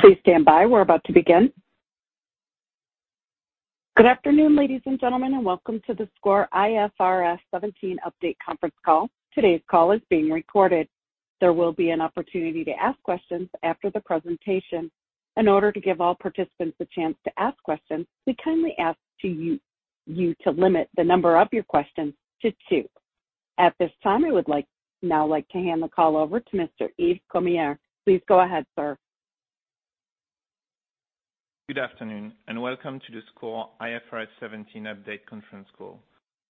Please stand by. We're about to begin. Good afternoon, ladies and gentlemen. Welcome to the SCOR IFRS 17 update conference call. Today's call is being recorded. There will be an opportunity to ask questions after the presentation. In order to give all participants a chance to ask questions, we kindly ask you to limit the number of your questions to 2. At this time, we would now like to hand the call over to Mr. Yves Cormier. Please go ahead, sir. Good afternoon and welcome to the SCOR IFRS 17 update conference call.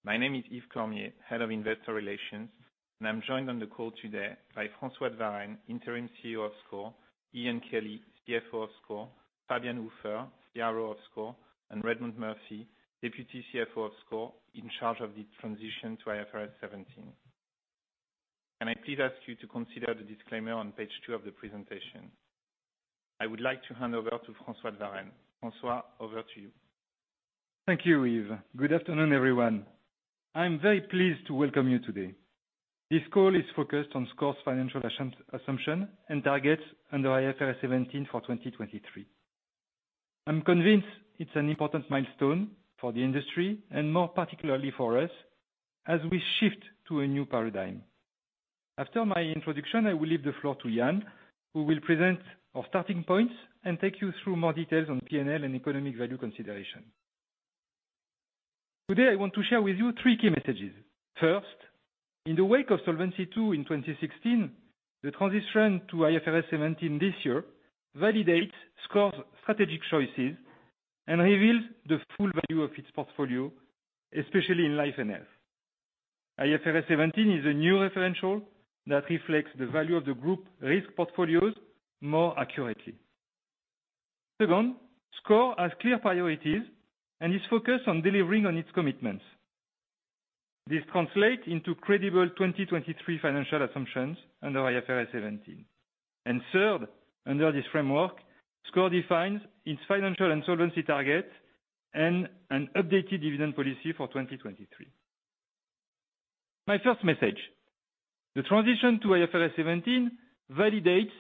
My name is Yves Cormier, Head of Investor Relations, and I'm joined on the call today by François de Varenne, Interim CEO of SCOR, Ian Kelly, CFO of SCOR, Fabian Uffer, CRO of SCOR, and Redmond Murphy, Deputy CFO of SCOR in charge of the transition to IFRS 17. Can I please ask you to consider the disclaimer on page 2 of the presentation? I would like to hand over to François de Varenne. François, over to you. Thank you, Yves. Good afternoon, everyone. I'm very pleased to welcome you today. This call is focused on SCOR's financial assumption and targets under IFRS 17 for 2023. I'm convinced it's an important milestone for the industry and more particularly for us as we shift to a new paradigm. After my introduction, I will leave the floor to Ian, who will present our starting points and take you through more details on P&L and Economic Value consideration. Today, I want to share with you three key messages. First, in the wake of Solvency II in 2016, the transition to IFRS 17 this year validates SCOR's strategic choices and reveals the full value of its portfolio, especially in life and health. IFRS 17 is a new referential that reflects the value of the group risk portfolios more accurately. Second, SCOR has clear priorities and is focused on delivering on its commitments. This translates into credible 2023 financial assumptions under IFRS 17. Third, under this framework, SCOR defines its financial and solvency targets and an updated dividend policy for 2023. My first message, the transition to IFRS 17 validates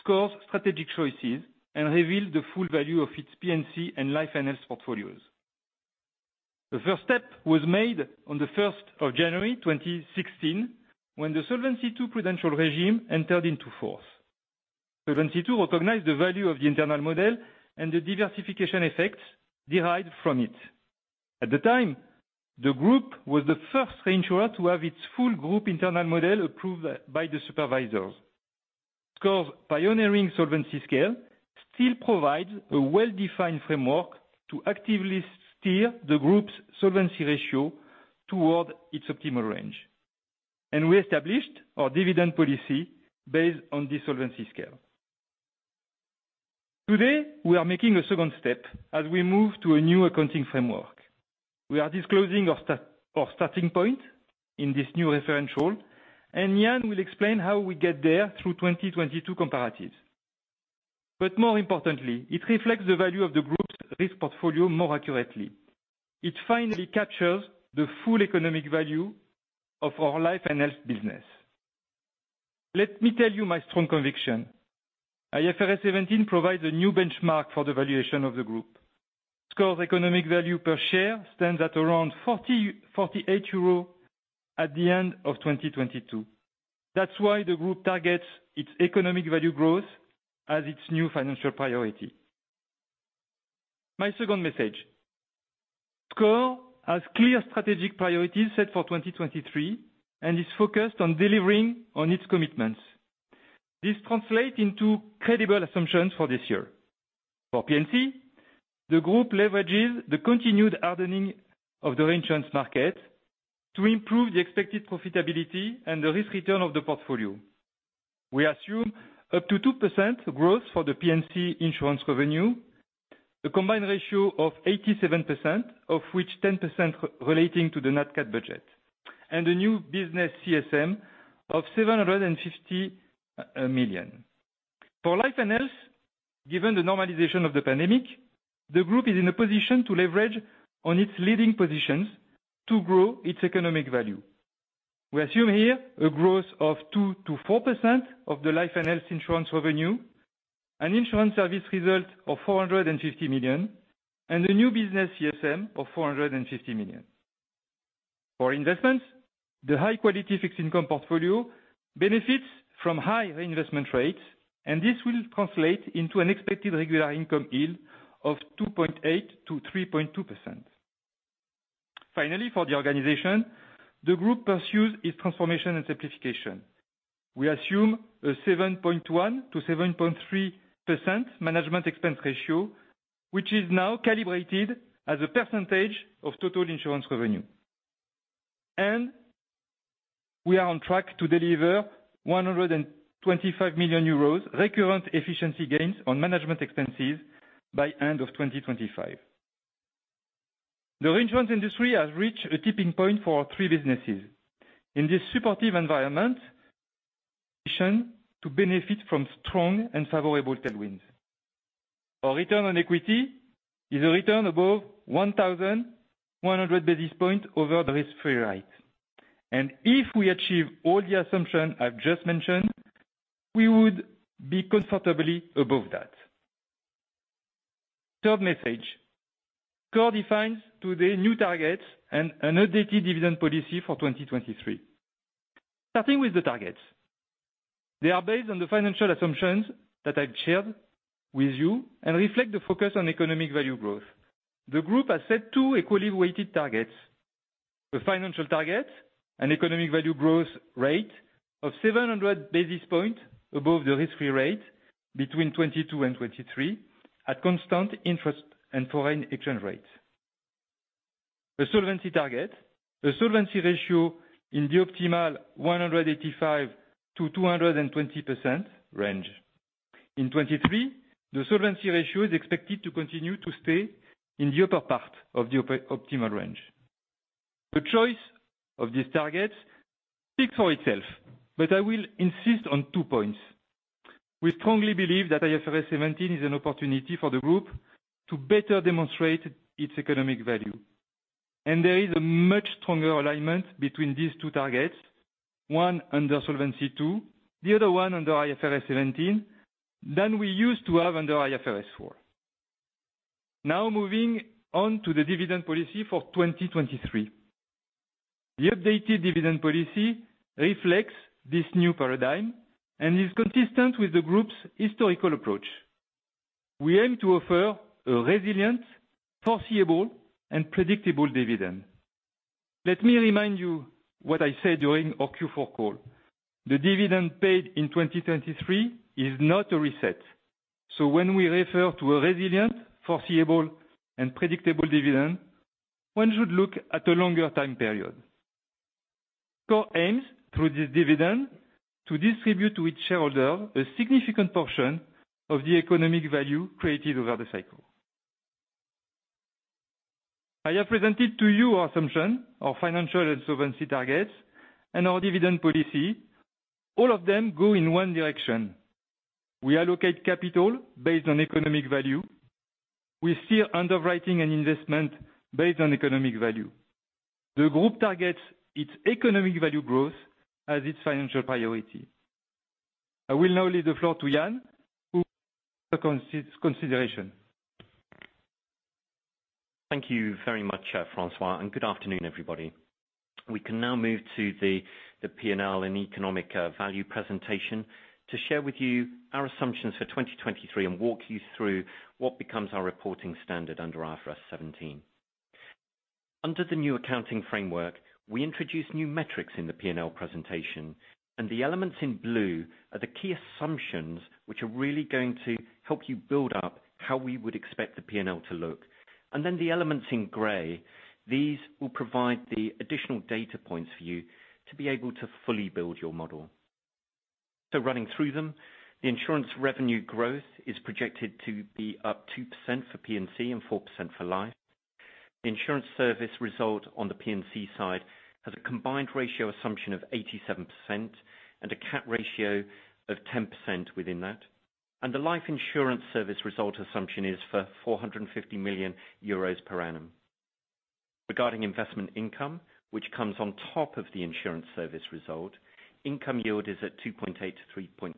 SCOR's strategic choices and reveals the full value of its P&C and life and health portfolios. The first step was made on the first of January 2016 when the Solvency II Prudential regime entered into force. Solvency II recognized the value of the internal model and the diversification effects derived from it. At the time, the group was the first reinsurer to have its full group internal model approved by the supervisors. SCOR's pioneering solvency scale still provides a well-defined framework to actively steer the group's solvency ratio toward its optimal range. We established our dividend policy based on this solvency scale. Today, we are making a second step as we move to a new accounting framework. We are disclosing our starting point in this new referential, and Ian will explain how we get there through 2022 comparatives. More importantly, it reflects the value of the group's risk portfolio more accurately. It finally captures the full economic value of our life and health business. Let me tell you my strong conviction. IFRS 17 provides a new benchmark for the valuation of the group. SCOR's Economic Value per share stands at around 48 euros at the end of 2022. That's why the group targets its Economic Value growth as its new financial priority. My second message, SCOR has clear strategic priorities set for 2023 and is focused on delivering on its commitments. This translates into credible assumptions for this year. For P&C, the group leverages the continued hardening of the reinsurance market to improve the expected profitability and the risk return of the portfolio. We assume up to 2% growth for the P&C insurance revenue, a combined ratio of 87%, of which 10% relating to the Nat Cat Budget, and a new business CSM of 750 million. For life and health, given the normalization of the pandemic, the group is in a position to leverage on its leading positions to grow its Economic Value. We assume here a growth of 2%-4% of the life and health insurance revenue, an insurance service result of 450 million, and a new business CSM of 450 million. For investment, the high-quality fixed income portfolio benefits from high reinvestment rates, and this will translate into an expected regular income yield of 2.8%-3.2%. Finally, for the organization, the group pursues its transformation and simplification. We assume a 7.1%-7.3% management expense ratio, which is now calibrated as a percentage of total insurance revenue. We are on track to deliver 125 million euros recurrent efficiency gains on management expenses by end of 2025. The reinsurance industry has reached a tipping point for our three businesses. In this supportive environment, positioned to benefit from strong and favorable tailwinds. Our return on equity is a return above 1,100 bps over risk-free rate. If we achieve all the assumption I've just mentioned, we would be comfortably above that. Third message, SCOR defines today new targets and an updated dividend policy for 2023. Starting with the targets. They are based on the financial assumptions that I've shared with you and reflect the focus on Economic Value growth. The group has set two equally weighted targets. The financial target and Economic Value growth rate of 700 bps above the risk-free rate between 2022 and 2023 at constant interest and foreign exchange rates. The solvency target. The solvency ratio in the optimal 185%-220% range. In 2023, the solvency ratio is expected to continue to stay in the upper part of the optimal range. The choice of these targets speaks for itself. I will insist on two points. We strongly believe that IFRS 17 is an opportunity for the group to better demonstrate its Economic Value. There is a much stronger alignment between these two targets, one under Solvency II, the other one under IFRS 17 than we used to have under IFRS 4. Moving on to the dividend policy for 2023. The updated dividend policy reflects this new paradigm and is consistent with the group's historical approach. We aim to offer a resilient, foreseeable, and predictable dividend. Let me remind you what I said during our Q4 call. The dividend paid in 2023 is not a reset. When we refer to a resilient, foreseeable, and predictable dividend, one should look at a longer time period. SCOR aims, through this dividend, to distribute to its shareholder a significant portion of the Economic Value created over the cycle. I have presented to you our assumption, our financial and solvency targets, and our dividend policy. All of them go in one direction. We allocate capital based on Economic Value. We steer underwriting and investment based on Economic Value. The group targets its Economic Value growth as its financial priority. I will now leave the floor to Ian, for consideration. Thank you very much, François. Good afternoon, everybody. We can now move to the P&L and Economic Value presentation to share with you our assumptions for 2023 and walk you through what becomes our reporting standard under IFRS 17. Under the new accounting framework, we introduce new metrics in the P&L presentation. The elements in blue are the key assumptions which are really going to help you build up how we would expect the P&L to look. The elements in gray, these will provide the additional data points for you to be able to fully build your model. Running through them, the insurance revenue growth is projected to be up 2% for P&C and 4% for life. The insurance service result on the P&C side has a combined ratio assumption of 87% and a CAT ratio of 10% within that. The life insurance service result assumption is for 450 million euros per annum. Regarding investment income, which comes on top of the insurance service result, income yield is at 2.8%-3.2%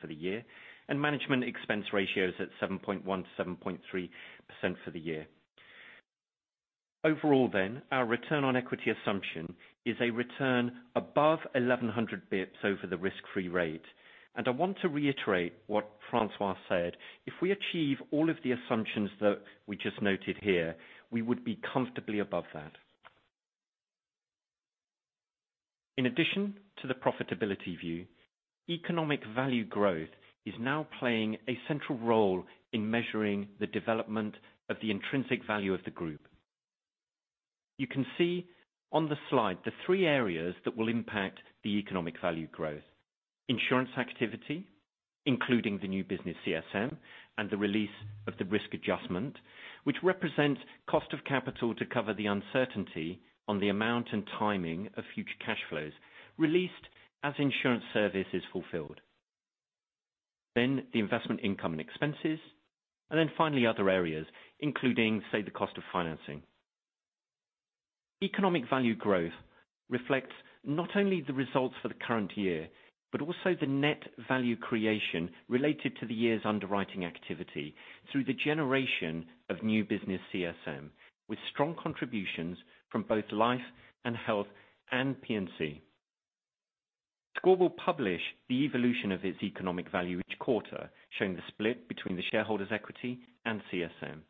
for the year, management expense ratio is at 7.1%-7.3% for the year. Our return on equity assumption is a return above 1,100 bps over the risk-free rate. I want to reiterate what François said. If we achieve all of the assumptions that we just noted here, we would be comfortably above that. In addition to the profitability view, Economic Value growth is now playing a central role in measuring the development of the intrinsic value of the group. You can see on the slide the three areas that will impact the Economic Value growth. Insurance activity, including the new business CSM and the release of the risk adjustment, which represent cost of capital to cover the uncertainty on the amount and timing of future cash flows released as insurance service is fulfilled. The investment income and expenses. Finally, other areas, including say, the cost of financing. Economic Value growth reflects not only the results for the current year, but also the net value creation related to the year's underwriting activity through the generation of new business CSM, with strong contributions from both life and health and P&C. SCOR will publish the evolution of its Economic Value each quarter, showing the split between the shareholders' equity and CSM.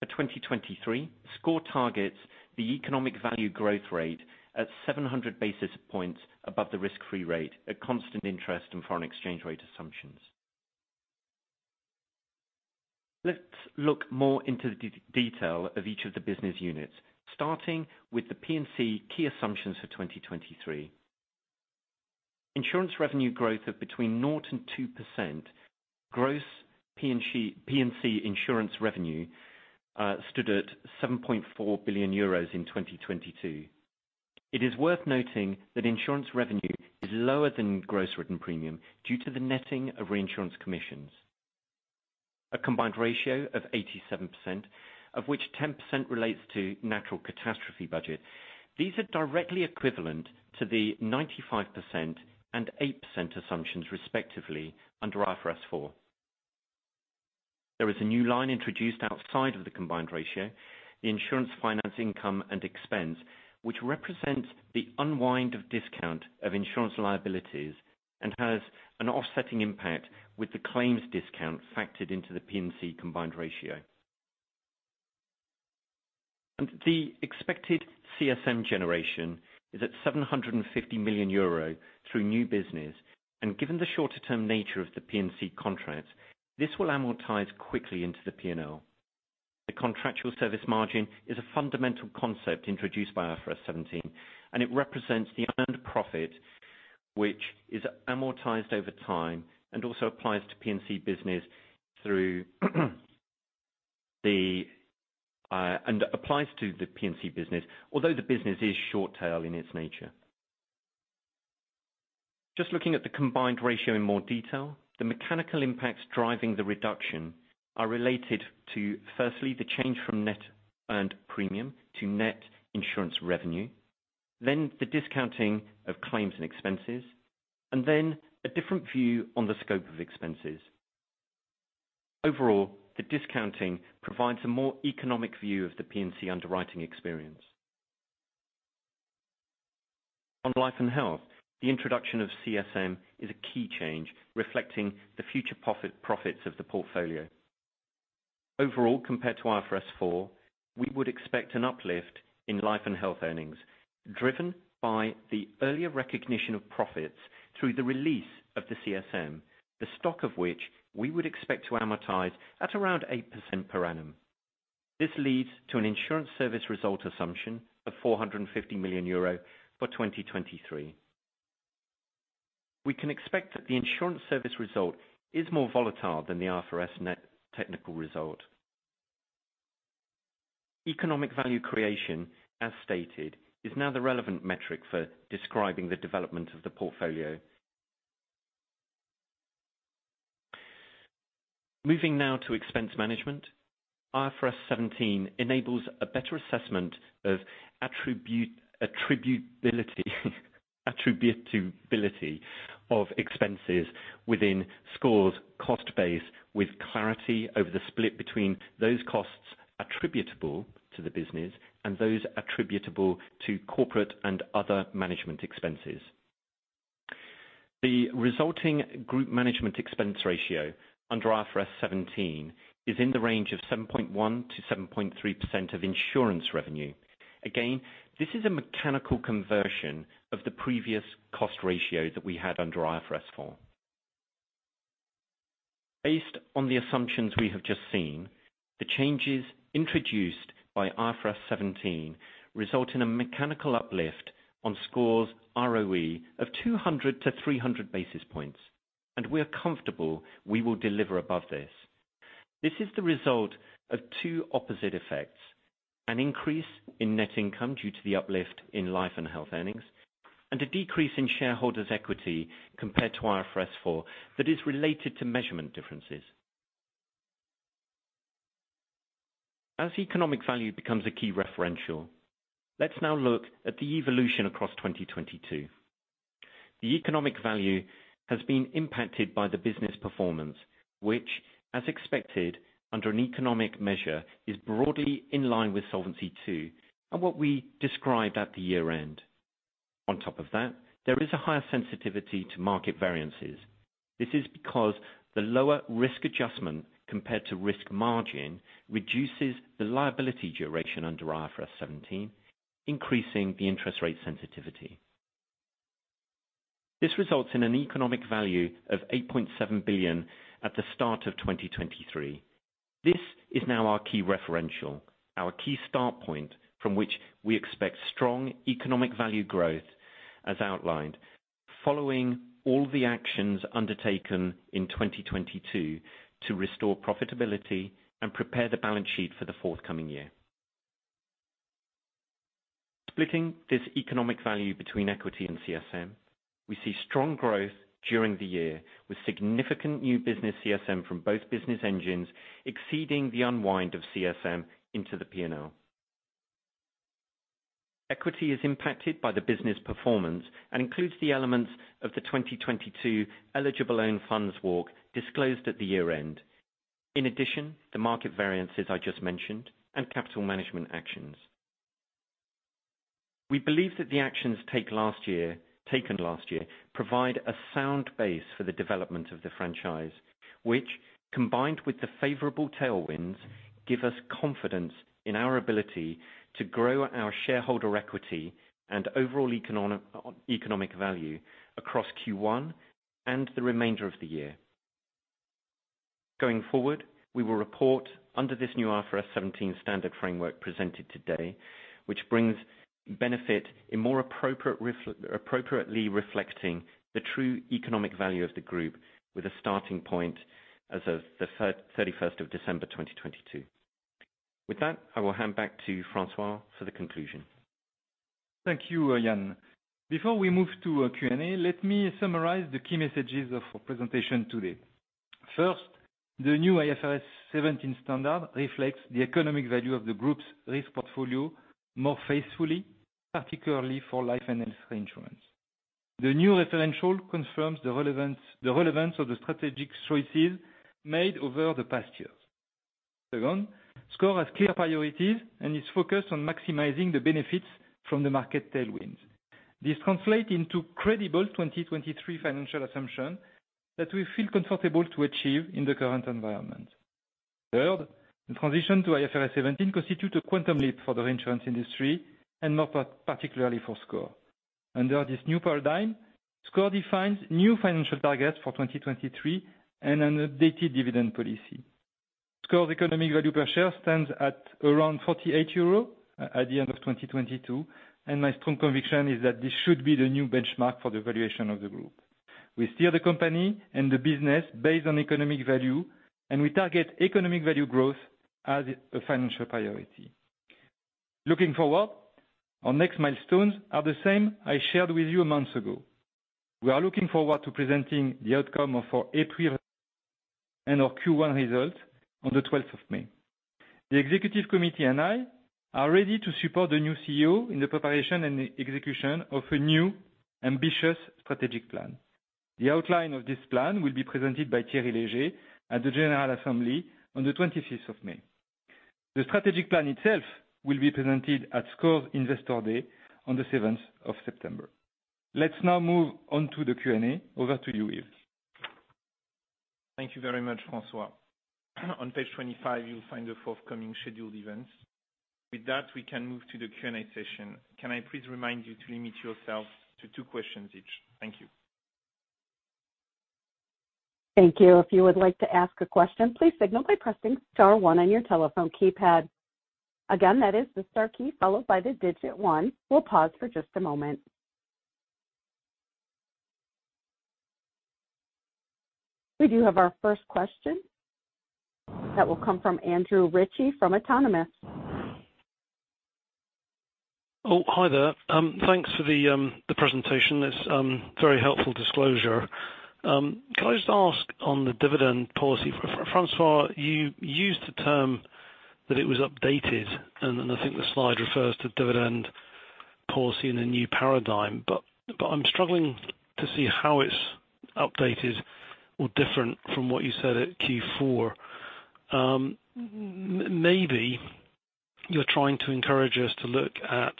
For 2023, SCOR targets the Economic Value growth rate at 700 bps above the risk-free rate at constant interest and foreign exchange rate assumptions. Let's look more into the detail of each of the business units, starting with the P&C key assumptions for 2023. Insurance revenue growth of between 0 and 2%. Gross P&C insurance revenue stood at 7.4 billion euros in 2022. It is worth noting that Insurance revenue is lower than gross written premium due to the netting of reinsurance commissions. A combined ratio of 87%, of which 10% relates to natural catastrophe budget. These are directly equivalent to the 95% and 8% assumptions respectively under IFRS 4. There is a new line introduced outside of the combined ratio, the insurance finance income and expense, which represents the unwind of discount of insurance liabilities and has an offsetting impact with the claims discount factored into the P&C combined ratio. The expected CSM generation is at 750 million euro through new business. Given the shorter term nature of the P&C contracts, this will amortize quickly into the P&L. The contractual service margin is a fundamental concept introduced by IFRS 17, and it represents the earned profit, which is amortized over time and also applies to the P&C business, although the business is short tail in its nature. Looking at the combined ratio in more detail, the mechanical impacts driving the reduction are related to, firstly, the change from net earned premium to net insurance revenue, then the discounting of claims and expenses, and then a different view on the scope of expenses. Overall, the discounting provides a more economic view of the P&C underwriting experience. On life and health, the introduction of CSM is a key change reflecting the future profits of the portfolio. Overall, compared to IFRS 4, we would expect an uplift in life and health earnings, driven by the earlier recognition of profits through the release of the CSM, the stock of which we would expect to amortize at around 8% per annum. This leads to an insurance service result assumption of 450 million euro for 2023. We can expect that the insurance service result is more volatile than the IFRS net technical result. Economic Value creation, as stated, is now the relevant metric for describing the development of the portfolio. Moving now to expense management. IFRS 17 enables a better assessment of attributability of expenses within SCOR's cost base, with clarity over the split between those costs attributable to the business and those attributable to corporate and other management expenses. The resulting group management expense ratio under IFRS 17 is in the range of 7.1%-7.3% of insurance revenue. Again, this is a mechanical conversion of the previous cost ratio that we had under IFRS 4. Based on the assumptions we have just seen, the changes introduced by IFRS 17 result in a mechanical uplift on SCOR's ROE of 200 to 300 bps, and we are comfortable we will deliver above this. This is the result of two opposite effects, an increase in net income due to the uplift in life and health earnings, and a decrease in shareholders equity compared to IFRS 4 that is related to measurement differences. As Economic Value becomes a key referential, let's now look at the evolution across 2022. The Economic Value has been impacted by the business performance, which, as expected under an economic measure, is broadly in line with Solvency II and what we described at the year end. On top of that, there is a higher sensitivity to market variances. This is because the lower risk adjustment compared to risk margin reduces the liability duration under IFRS 17, increasing the interest rate sensitivity. This results in an Economic Value of 8.7 billion at the start of 2023. This is now our key referential, our key start point from which we expect strong Economic Value growth as outlined, following all the actions undertaken in 2022 to restore profitability and prepare the balance sheet for the forthcoming year. Splitting this Economic Value between equity and CSM, we see strong growth during the year with significant new business CSM from both business engines exceeding the unwind of CSM into the P&L. Equity is impacted by the business performance and includes the elements of the 2022 eligible own funds walk disclosed at the year end. In addition, the market variances I just mentioned and capital management actions. We believe that the actions taken last year provide a sound base for the development of the franchise, which combined with the favorable tailwinds, give us confidence in our ability to grow our shareholder equity and overall economic value across Q1 and the remainder of the year. Going forward, we will report under this new IFRS 17 standard framework presented today, which brings benefit in more appropriately reflecting the true economic value of the group with a starting point as of the 31st of December 2022. With that, I will hand back to François for the conclusion. Thank you, Ian. Before we move to Q&A, let me summarize the key messages of our presentation today. First, the new IFRS 17 standard reflects the economic value of the group's risk portfolio more faithfully, particularly for life and health insurance. The new referential confirms the relevance of the strategic choices made over the past years. Second, SCOR has clear priorities and is focused on maximizing the benefits from the market tailwinds. This translate into credible 2023 financial assumption that we feel comfortable to achieve in the current environment. Third, the transition to IFRS 17 constitute a Quantum Leap for the insurance industry and more particularly for SCOR. Under this new paradigm, SCOR defines new financial targets for 2023 and an updated dividend policy. SCOR's Economic Value per share stands at around 48 euros at the end of 2022. My strong conviction is that this should be the new benchmark for the valuation of the group. We steer the company and the business based on Economic Value. We target Economic Value growth as a financial priority. Looking forward, our next milestones are the same I shared with you a month ago. We are looking forward to presenting the outcome of our April and our Q1 results on the 12th of May. The executive committee and I are ready to support the new CEO in the preparation and the execution of a new, ambitious strategic plan. The outline of this plan will be presented by Thierry Léger at the General Assembly on the 25th of May. The strategic plan itself will be presented at SCOR's Investor Day on the 7th of September. Let's now move on to the Q&A. Over to you, Yves. Thank you very much, François. On page 25, you'll find the forthcoming scheduled events. With that, we can move to the Q&A session. Can I please remind you to limit yourself to two questions each? Thank you. Thank you. If you would like to ask a question, please signal by pressing star one on your telephone keypad. Again, that is the star key followed by the digit one. We'll pause for just a moment. We do have our first question. That will come from Andrew Ritchie from Autonomous. Hi there. Thanks for the presentation. It's very helpful disclosure. Could I just ask on the dividend policy, François, you used the term that it was updated, and I think the slide refers to dividend policy in a new paradigm, but I'm struggling to see how it's updated or different from what you said at Q4. Maybe you're trying to encourage us to look at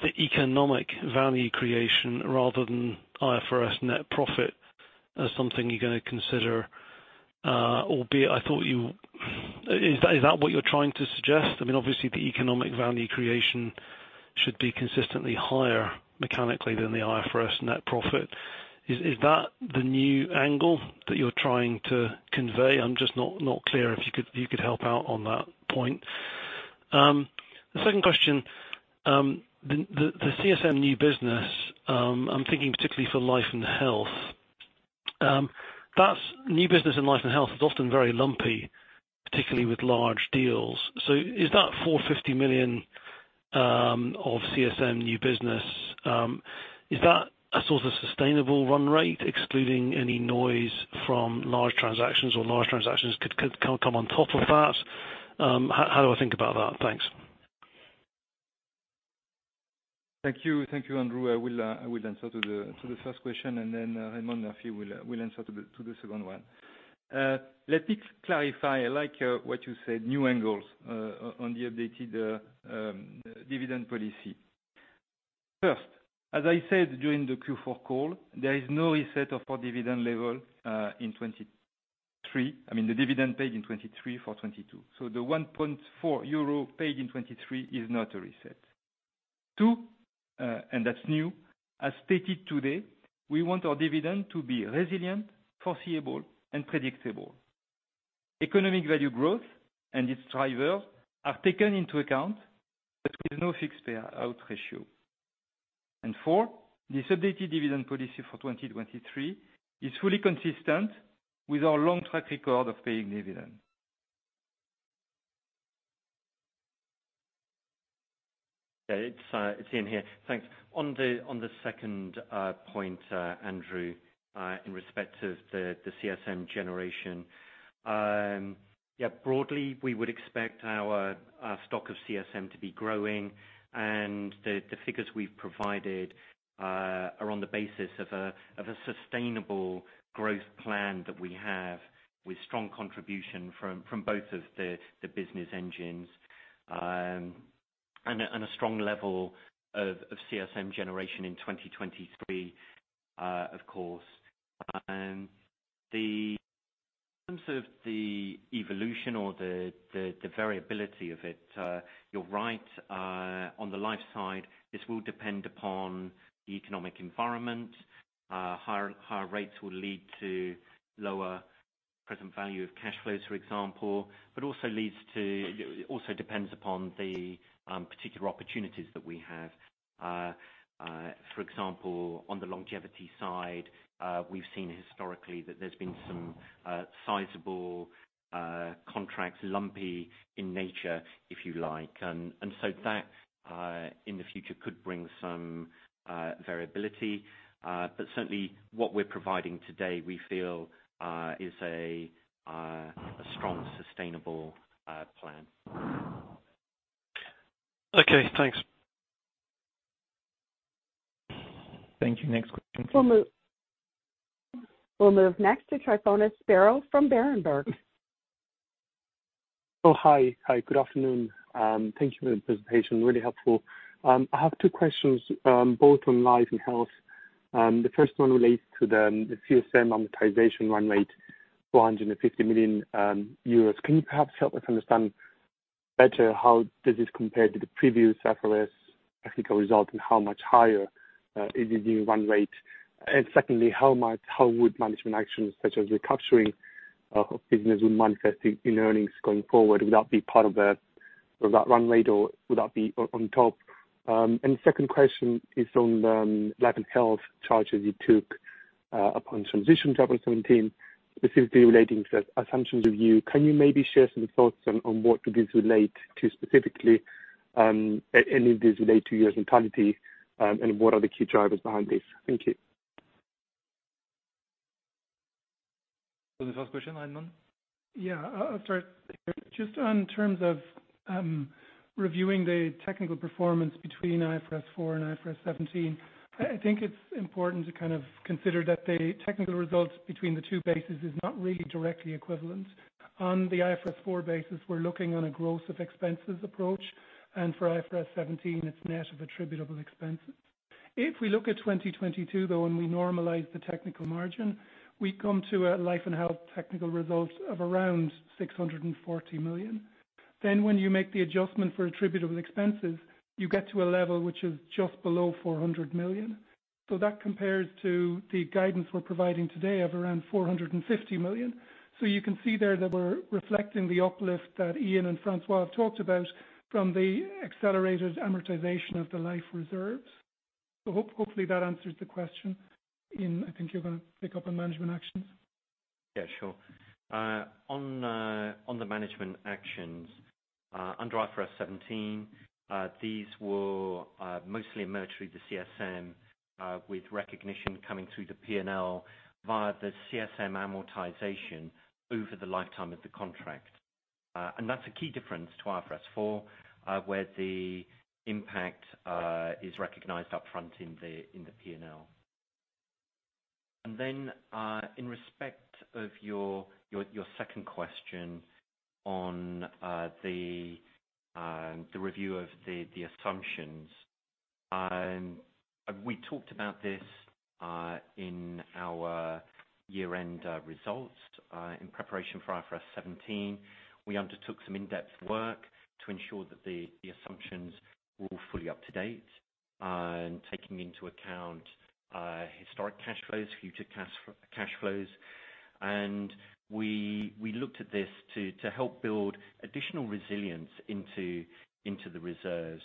the Economic Value creation rather than IFRS net profit as something you're going to consider, albeit I thought you. Is that what you're trying to suggest? I mean, obviously, the Economic Value creation should be consistently higher mechanically than the IFRS net profit. Is that the new angle that you're trying to convey? I'm just not clear. If you could help out on that point. The second question, the CSM new business, I'm thinking particularly for life and health. New business in life and health is often very lumpy, particularly with large deals. Is that 450 million of CSM new business, is that a sort of sustainable run rate, excluding any noise from large transactions or large transactions can come on top of that? How do I think about that? Thanks. Thank you. Thank you, Andrew. I will answer to the first question, and then Redmond Murphy will answer to the second one. Let me clarify what you said, new angles on the updated dividend policy. First, as I said during the Q4 call, there is no reset of our dividend level in 2023. I mean, the dividend paid in 2023 for 2022. The 1.4 paid in 2023 is not a reset. Two, and that's new, as stated today, we want our dividend to be resilient, foreseeable, and predictable. Economic Value growth and its drivers are taken into account, but with no fixed payout ratio. Four, this updated dividend policy for 2023 is fully consistent with our long track record of paying dividends. Yeah, it's Ian here. Thanks. On the second point, Andrew, in respect to the CSM generation, broadly, we would expect our stock of CSM to be growing and the figures we've provided are on the basis of a sustainable growth plan that we have with strong contribution from both of the business engines, and a strong level of CSM generation in 2023, of course. In terms of the evolution or the variability of it, you're right, on the life side, this will depend upon the economic environment. Higher rates will lead to lower present value of cash flows, for example, but also leads to. It also depends upon the particular opportunities that we have. For example, on the longevity side, we've seen historically that there's been certain. Sizable contracts, lumpy in nature, if you like. That in the future could bring some variability. Certainly, what we're providing today, we feel is a strong, sustainable plan. Okay, thanks. Thank you. Next question, please. We'll move next to Tryfonas Spyrou from Berenberg. Hi, good afternoon. Thank you for the presentation, really helpful. I have two questions, both on life and health. The first one relates to the CSM amortization run rate, 450 million euros. Can you perhaps help us understand better how does this compare to the previous IFRS technical result and how much higher is the new run rate? Secondly, how would management actions such as recapturing of business would manifest in earnings going forward? Would that be part of that, or that run rate, or would that be on top? Second question is on life and health charges you took upon transition to IFRS in 2017, specifically relating to the assumptions review. Can you maybe share some thoughts on what do these relate to specifically, and if these relate to your mentality, and what are the key drivers behind this? Thank you. On the first question, Redmond. I'll start. Just on terms of reviewing the technical performance between IFRS 4 and IFRS 17, I think it's important to kind of consider that the technical results between the two bases is not really directly equivalent. On the IFRS 4 basis, we're looking on a gross of expenses approach, and for IFRS 17, it's net of attributable expenses. If we look at 2022, though, and we normalize the technical margin, we come to a life & health technical result of around 640 million. When you make the adjustment for attributable expenses, you get to a level which is just below 400 million. That compares to the guidance we're providing today of around 450 million. You can see there that we're reflecting the uplift that Ian and François have talked about from the accelerated amortization of the life reserves. Hopefully that answers the question. Ian, I think you're gonna pick up on management actions. Yeah, sure. On the management actions under IFRS 17, these will mostly emerge through the CSM, with recognition coming through the P&L via the CSM amortization over the lifetime of the contract. That's a key difference to IFRS 4, where the impact is recognized upfront in the P&L. Then, in respect of your second question on the review of the assumptions, we talked about this in our year-end results in preparation for IFRS 17. We undertook some in-depth work to ensure that the assumptions were fully up to date, and taking into account historic cash flows, future cash flows. We looked at this to help build additional resilience into the reserves.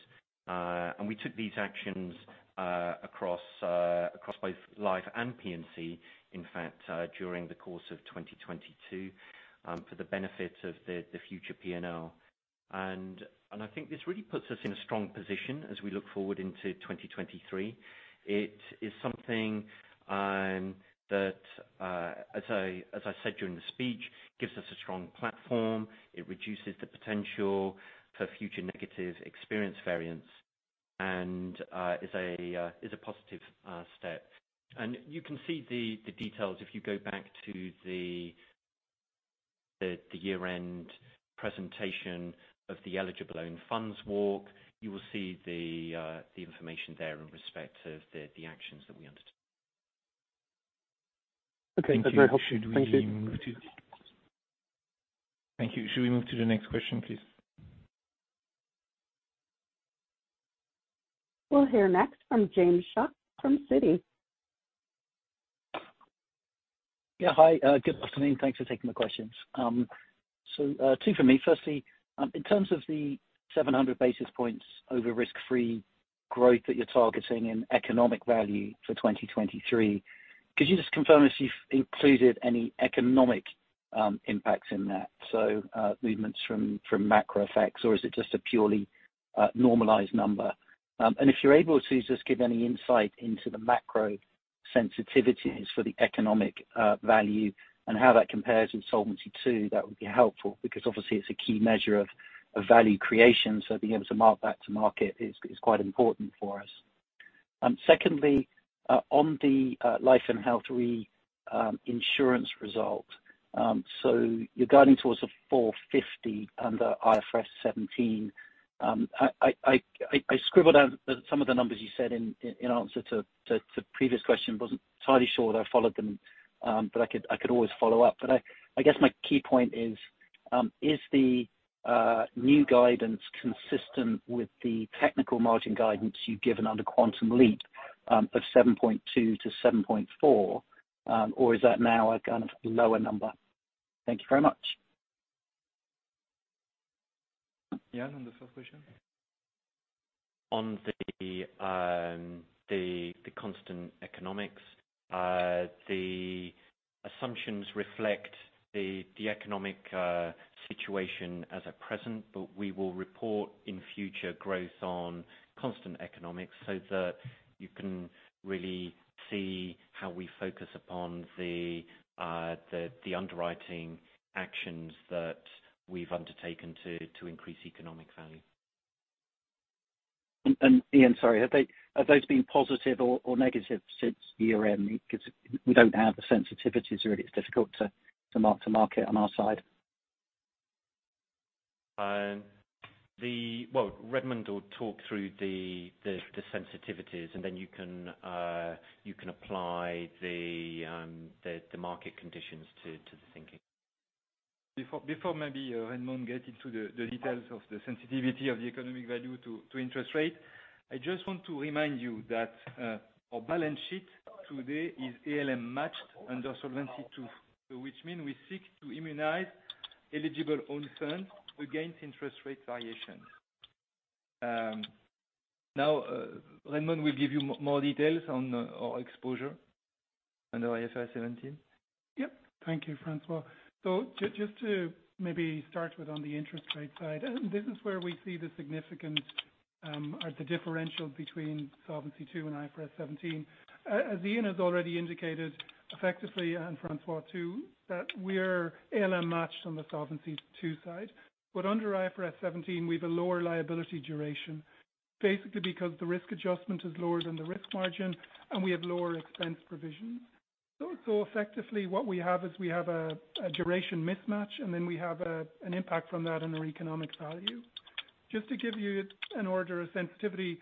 We took these actions across both life and P&C, in fact, during the course of 2022, for the benefit of the future P&L. I think this really puts us in a strong position as we look forward into 2023. It is something that as I said during the speech, gives us a strong platform. It reduces the potential for future negative experience variance and is a positive step. You can see the details if you go back to the year-end presentation of the eligible own funds walk. You will see the information there in respect of the actions that we undertook. Okay. That's very helpful. Thank you. Thank you. Should we move to the next question, please? We'll hear next from James Shuck from Citi. Yeah. Hi, good afternoon. Thanks for taking the questions. 2 for me. Firstly, in terms of the 700 bps over risk-free growth that you're targeting in Economic Value for 2023, could you just confirm if you've included any economic impacts in that? Movements from macro effects, or is it just a purely normalized number? If you're able to just give any insight into the macro sensitivities for the Economic Value and how that compares in Solvency II, that would be helpful because obviously it's a key measure of value creation. Being able to mark that to market is quite important for us. Secondly, on the life & health reinsurance result, you're guiding towards a 450 under IFRS 17. I scribbled down some of the numbers you said in answer to previous question. Wasn't entirely sure that I followed them, but I could always follow up. I guess my key point is the new guidance consistent with the technical margin guidance you've given under Quantum Leap, of 7.2% to 7.4%? Is that now a kind of lower number? Thank you very much. Ian, on the first question. On the constant economics, the assumptions reflect the economic situation as at present. We will report in future growth on constant economics so that you can really see how we focus upon the underwriting actions that we've undertaken to increase Economic Value. Ian, sorry, have those been positive or negative since year-end? Because we don't have the sensitivities or it is difficult to mark to market on our side. Well, Redmond will talk through the sensitivities, and then you can apply the market conditions to the thinking. Before maybe, Redmond get into the details of the sensitivity of the Economic Value to interest rate, I just want to remind you that our balance sheet today is ALM matched under Solvency II, which mean we seek to immunize eligible own fund against interest rate variations. Now, Redmond will give you more details on our exposure under IFRS 17. Yep. Thank you, François. Just to maybe start with on the interest rate side, this is where we see the significant, or the differential between Solvency II and IFRS 17. As Ian has already indicated effectively, and François too, that we're ALM matched on the Solvency II side. Under IFRS 17, we've a lower liability duration, basically because the risk adjustment is lower than the risk margin, and we have lower expense provision. Effectively what we have is we have a duration mismatch, and then we have an impact from that on our Economic Value. Just to give you an order of sensitivity,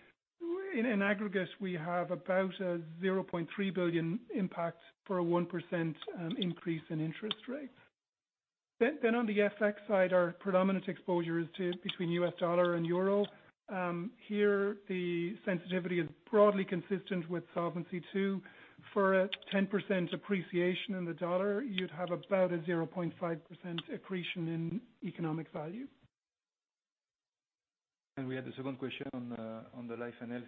in aggregate, we have about a 0.3 billion impact for a 1% increase in interest rates. On the FX side, our predominant exposure is to between US dollar and euro. Here, the sensitivity is broadly consistent with Solvency II. For a 10% appreciation in the dollar, you'd have about a 0.5% accretion in Economic Value. We had the second question on the life and health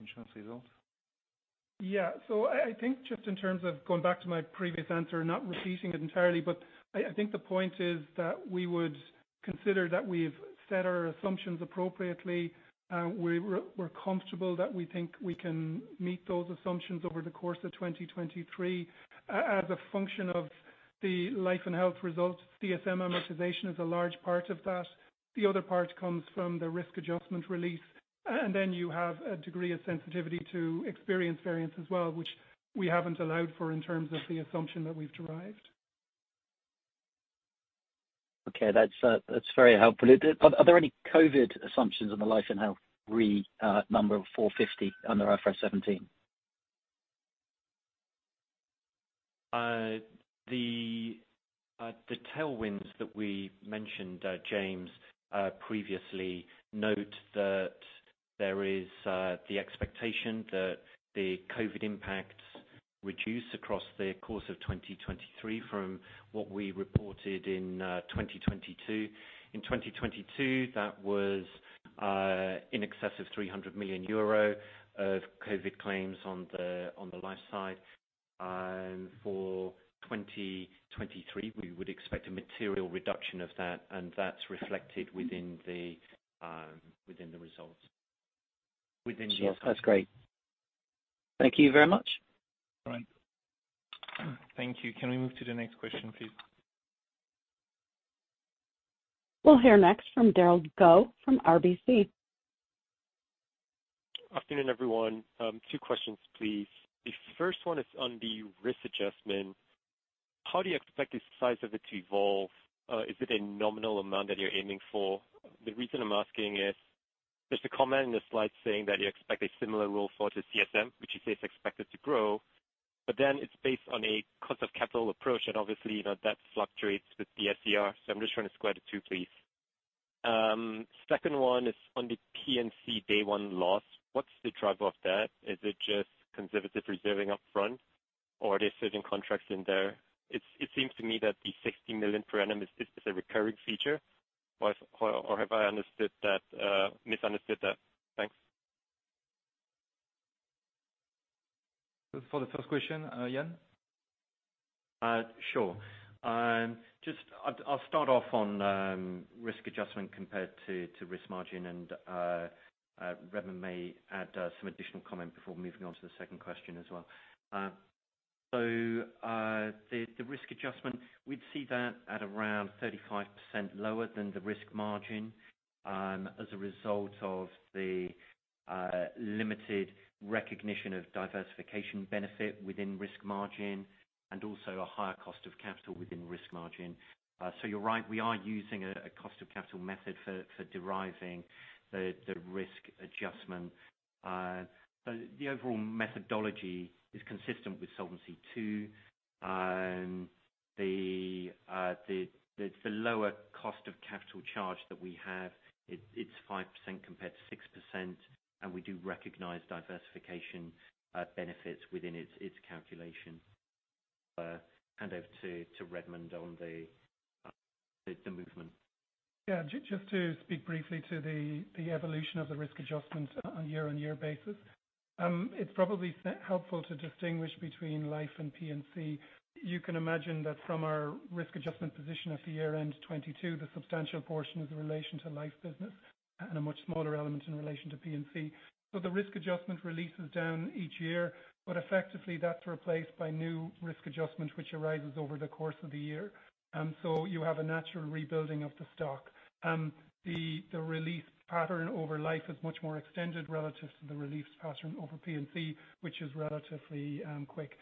insurance results. Yeah. I think just in terms of going back to my previous answer, not repeating it entirely, but I think the point is that we would consider that we've set our assumptions appropriately. We're comfortable that we think we can meet those assumptions over the course of 2023 as a function of the life and health results. CSM amortization is a large part of that. The other part comes from the risk adjustment release. Then you have a degree of sensitivity to experience variance as well, which we haven't allowed for in terms of the assumption that we've derived. Okay. That's very helpful. Are there any COVID assumptions on the life and health number of 450 under IFRS 17? The tailwinds that we mentioned, James, previously note that there is the expectation that the COVID impacts reduce across the course of 2023 from what we reported in 2022. In 2022, that was in excess of 300 million euro of COVID claims on the life side. For 2023, we would expect a material reduction of that, and that's reflected within the within the results, within the in- Sure. That's great. Thank you very much. All right. Thank you. Can we move to the next question, please? We'll hear next from Daria Khoo from RBC. Afternoon, everyone. 2 questions, please. The first one is on the risk adjustment. How do you expect the size of it to evolve? Is it a nominal amount that you're aiming for? The reason I'm asking is there's a comment in the slide saying that you expect a similar role for the CSM, which you say is expected to grow, but then it's based on a cost of capital approach, and obviously, you know, that fluctuates with the SCR, so I'm just trying to square the 2, please. Second one is on the P&C day one loss. What's the driver of that? Is it just conservative reserving upfront or are there certain contracts in there? It seems to me that the 60 million per annum is just as a recurring feature or have I understood that, misunderstood that? Thanks. For the first question, Ian. Sure. I'll start off on risk adjustment compared to risk margin, Redmond may add some additional comment before moving on to the second question as well. The risk adjustment, we'd see that at around 35% lower than the risk margin, as a result of the limited recognition of diversification benefit within risk margin and also a higher cost of capital within risk margin. You're right, we are using a cost of capital method for deriving the risk adjustment. The overall methodology is consistent with Solvency II. The lower cost of capital charge that we have, it's 5% compared to 6%, and we do recognize diversification benefits within its calculation. Hand over to Redmond on the movement. Yeah. Just to speak briefly to the evolution of the risk adjustment on a year-on-year basis. It's probably helpful to distinguish between life and P&C. You can imagine that from our risk adjustment position at the year-end 2022, the substantial portion is in relation to life business and a much smaller element in relation to P&C. The risk adjustment releases down each year, but effectively that's replaced by new risk adjustment, which arises over the course of the year. You have a natural rebuilding of the stock. The release pattern over life is much more extended relative to the release pattern over P&C, which is relatively quick.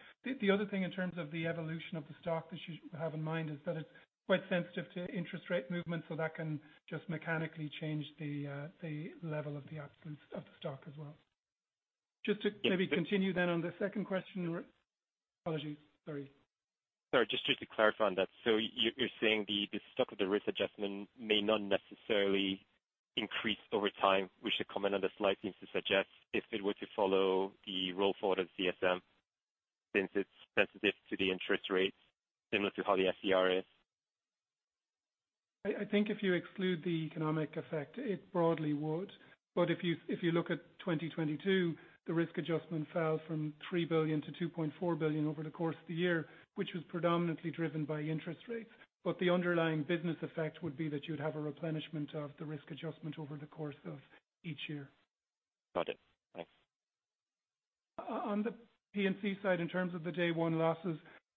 The other thing in terms of the evolution of the stock that you should have in mind is that it's quite sensitive to interest rate movements, so that can just mechanically change the level of the absence of the stock as well. Just to maybe continue then on the second question. Apologies, sorry. Sorry, just to clarify on that. You're saying the stock of the risk adjustment may not necessarily increase over time, which the comment on the slide seems to suggest if it were to follow the roll forward of CSM, since it's sensitive to the interest rates, similar to how the SCR is. I think if you exclude the economic effect, it broadly would. If you look at 2022, the risk adjustment fell from 3 billion to 2.4 billion over the course of the year, which was predominantly driven by interest rates. The underlying business effect would be that you'd have a replenishment of the risk adjustment over the course of each year. Got it. Thanks. On the P&C side, in terms of the day one losses,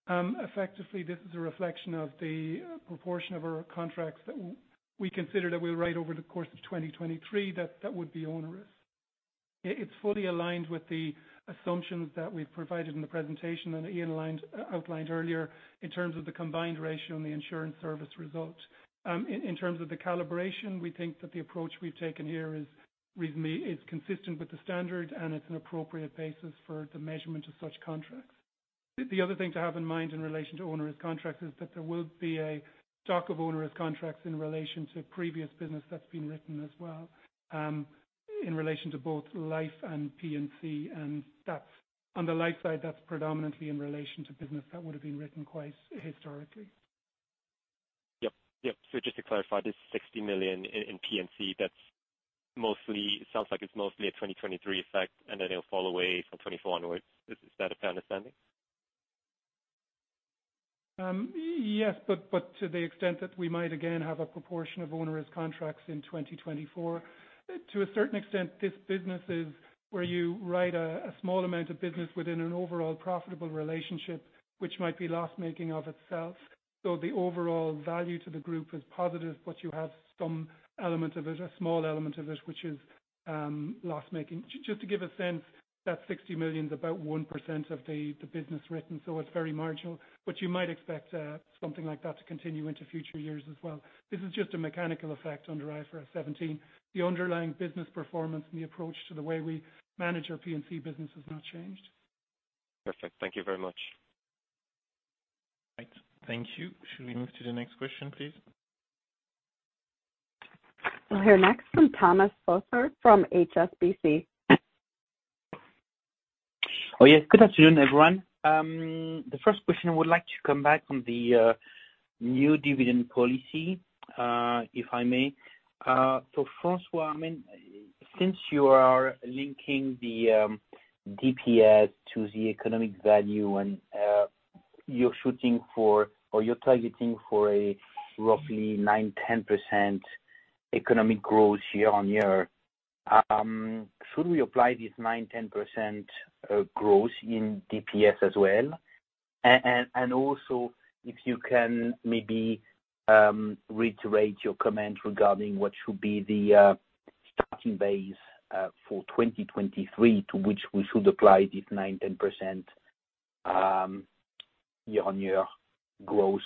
effectively, this is a reflection of the proportion of our contracts that we consider that we'll write over the course of 2023, that would be onerous. It's fully aligned with the assumptions that we've provided in the presentation, and Ian outlined earlier in terms of the combined ratio and the insurance service result. In terms of the calibration, we think that the approach we've taken here is consistent with the standard, and it's an appropriate basis for the measurement of such contracts. The other thing to have in mind in relation to onerous contracts is that there will be a stock of onerous contracts in relation to previous business that's been written as well, in relation to both Life and P&C, and that's. On the life side, that's predominantly in relation to business that would have been written quite historically. Yep. Yep. Just to clarify, this 60 million in P&C, that's mostly, it sounds like it's mostly a 2023 effect, and then it'll fall away from 2024 onwards. Is that a fair understanding? Yes, but to the extent that we might again have a proportion of onerous contracts in 2024. To a certain extent, this business is where you write a small amount of business within an overall profitable relationship, which might be loss-making of itself. The overall value to the group is positive, but you have some element of it, a small element of it, which is loss-making. Just to give a sense, that 60 million is about 1% of the business written, so it's very marginal, but you might expect something like that to continue into future years as well. This is just a mechanical effect under IFRS 17. The underlying business performance and the approach to the way we manage our P&C business has not changed. Perfect. Thank you very much. Right. Thank you. Shall we move to the next question, please? We'll hear next from Thomas Fossard from HSBC. Oh, yes. Good afternoon, everyone. The first question, I would like to come back on the new dividend policy, if I may. François, I mean, since you are linking the DPS to the Economic Value and you're shooting for or you're targeting for a roughly 9%-10% Economic Value growth year-on-year, should we apply this 9%-10% growth in DPS as well? Also if you can maybe reiterate your comment regarding what should be the starting base for 2023 to which we should apply this 9%-10% year-on-year growth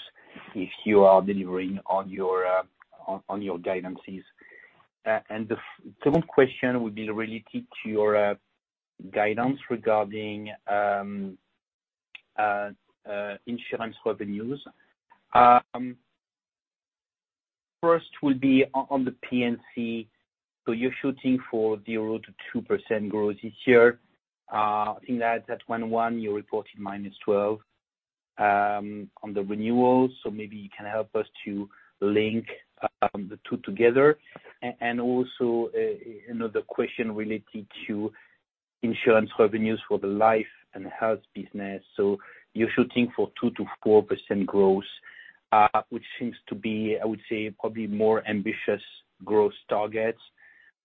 if you are delivering on your guidances. The second question would be related to your guidance regarding insurance revenues. First will be on the P&C. You're shooting for 0-2% growth this year. I think that at 1/1, you reported -12, on the renewals. Also, you know, the question related to insurance revenues for the life and health business. You're shooting for 2-4% growth, which seems to be, I would say, probably more ambitious growth targets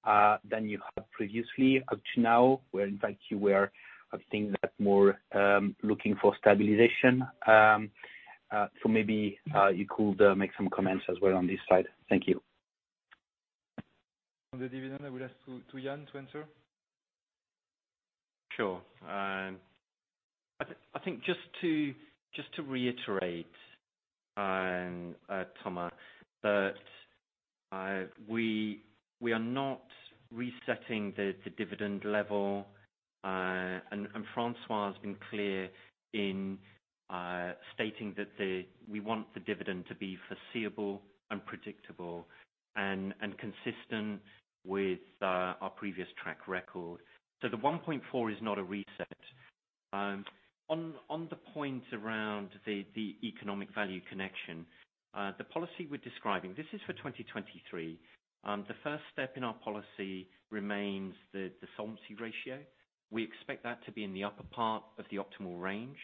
than you had previously up to now, where in fact you were, I think that more looking for stabilization. Maybe you could make some comments as well on this side. Thank you. On the dividend, I will ask to Ian to answer. Sure. I think just to reiterate, Thomas, that we are not resetting the dividend level. And François has been clear in stating that we want the dividend to be foreseeable and predictable and consistent with our previous track record. The 1.4 is not a rese. On the points around the Economic Value connection, the policy we're describing, this is for 2023. The first step in our policy remains the solvency ratio. We expect that to be in the upper part of the optimal range.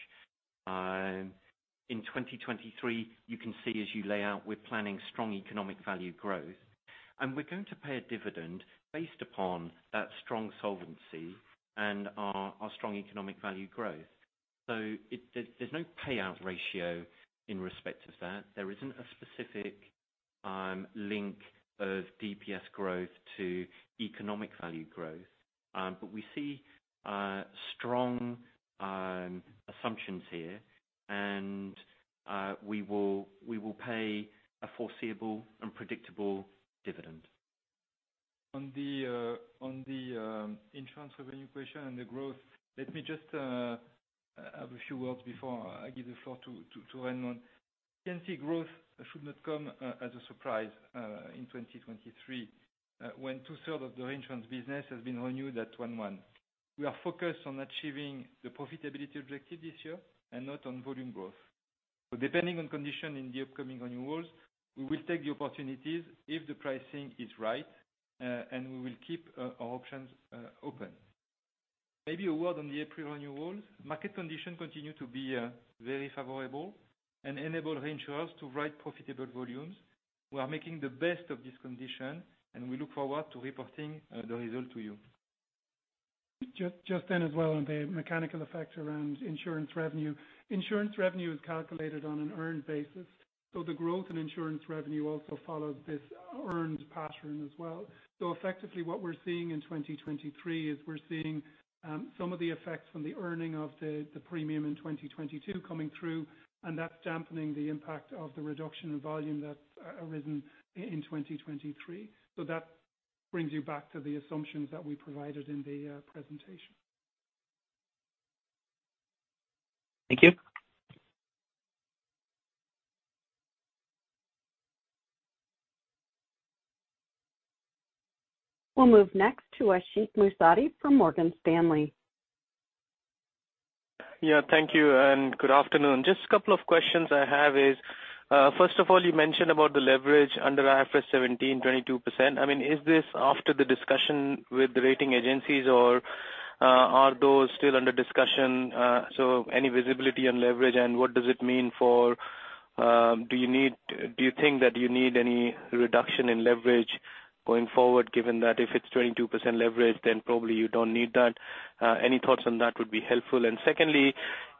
In 2023, you can see as you lay out, we're planning strong Economic Value growth, and we're going to pay a dividend based upon that strong solvency and our strong Economic Value growth. There's no payout ratio in respect of that. There isn't a specific link of DPS growth to Economic Value growth. We see strong assumptions here, we will pay a foreseeable and predictable dividend. On the on the insurance revenue question and the growth, let me just have a few words before I give the floor to Redmond. You can see growth should not come as a surprise in 2023 when 2/3 of the insurance business has been renewed at 1/1. We are focused on achieving the profitability objective this year and not on volume growth. Depending on condition in the upcoming renewals, we will take the opportunities if the pricing is right, and we will keep our options open. Maybe a word on the April renewals. Market condition continue to be very favorable and enable reinsurers to write profitable volumes. We are making the best of this condition, and we look forward to reporting the result to you. Just then as well on the mechanical effect around insurance revenue. Insurance revenue is calculated on an earned basis, so the growth in insurance revenue also follows this earned pattern as well. Effectively, what we're seeing in 2023 is we're seeing some of the effects from the earning of the premium in 2022 coming through, and that's dampening the impact of the reduction in volume that's arisen in 2023. That brings you back to the assumptions that we provided in the presentation. Thank you. We'll move next to Ashik Musaddi from Morgan Stanley. Yeah. Thank you, and good afternoon. Just a couple of questions I have is, first of all, you mentioned about the leverage under IFRS 17, 22%. I mean, is this after the discussion with the rating agencies, or are those still under discussion? Any visibility on leverage, and what does it mean for, do you think that you need any reduction in leverage going forward, given that if it's 22% leverage, then probably you don't need that? Any thoughts on that would be helpful. Secondly,